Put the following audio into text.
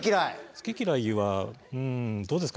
好き嫌いはうんどうですかね？